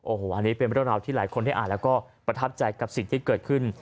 โอ้โหอันนี้เป็นเรื่องราวที่หลายคนได้อ่านแล้วก็ประทับใจกับสิ่งที่เกิดขึ้น